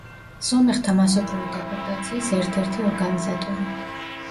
სომეხთა მასობრივი დეპორტაციის ერთ-ერთი ორგანიზატორი.